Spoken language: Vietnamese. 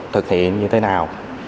thực hiện như thế nào